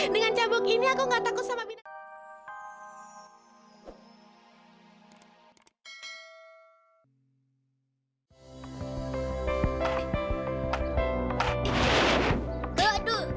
dengan cambuk ini aku gak takut sama binatang apapun